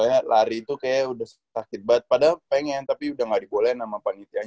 soalnya lari tuh kayaknya udah sakit banget padahal pengen tapi udah gak diboleh nama panitianya kan